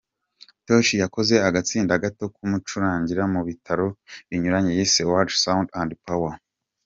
Tosh yakoze agatsinda gato ko kumucurangira mu bitaramo binyuranye yise Word, Sound and Power.